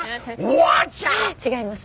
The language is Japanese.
違います。